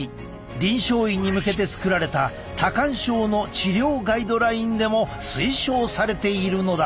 臨床医に向けて作られた多汗症の治療ガイドラインでも推奨されているのだ。